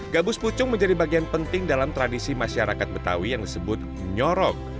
gabus pucung menjadi bagian penting dalam tradisi masyarakat betawi yang disebut nyorok